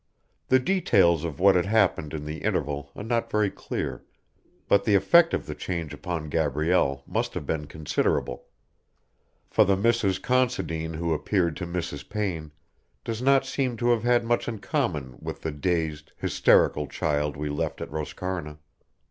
The details of what had happened in the interval are not very clear, but the effect of the change upon Gabrielle must have been considerable, for the Mrs. Considine who appeared to Mrs. Payne does not seem to have had much in common with the dazed, hysterical child we left at Roscarna.